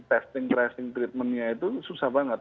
testing tracing treatmentnya itu susah banget